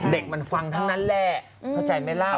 เด็กมันฟังทั้งนั้นแหละเข้าใจไหมเล่า